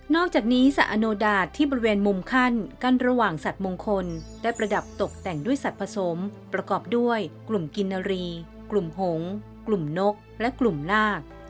อกจากนี้สะอโนดาตที่บริเวณมุมขั้นกั้นระหว่างสัตว์มงคลได้ประดับตกแต่งด้วยสัตว์ผสมประกอบด้วยกลุ่มกินนารีกลุ่มหงษ์กลุ่มนกและกลุ่มนาค